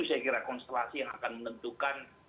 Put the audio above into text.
saya kira konstelasi yang akan menentukan